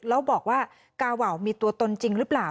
แล้วบอกว่ากาวาวมีตัวตนจริงหรือเปล่า